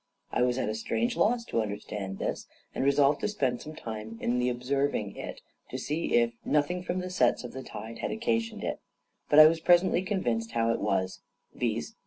I was at a strange loss to understand this, and resolved to spend some time in the observing it, to see if nothing from the sets of the tide had occasioned it; but I was presently convinced how it was; viz.